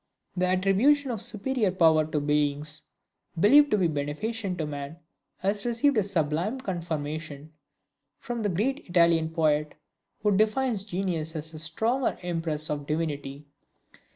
The attribution of superior power to beings believed to be beneficent to man, has received a sublime conformation from a great Italian poet, who defines genius as a "stronger impress of Divinity!"